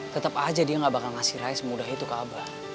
tetep aja dia gak bakal ngasih rai semudah itu kabar